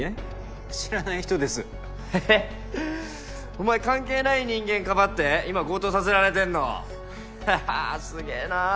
お前関係ない人間かばって今強盗させられてんの？ははっすげぇな。